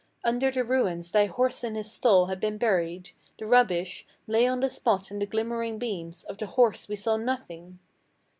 Under the ruins thy horse in his stall had been buried; the rubbish Lay on the spot and the glimmering beams; of the horse we saw nothing.